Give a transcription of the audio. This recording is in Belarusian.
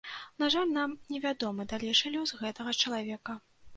На жаль, нам не вядомы далейшы лёс гэтага чалавека.